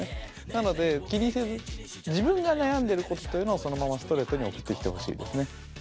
なので気にせず自分が悩んでることというのをそのままストレートに送ってきてほしいですね。